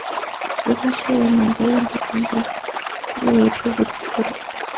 此计划是满洲问题专家列维托夫提出的。